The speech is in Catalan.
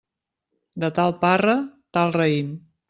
De tal parra, tal raïm.